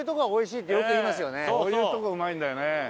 こういうとこうまいんだよね。